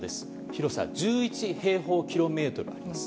広さ１１平方キロメートルあります。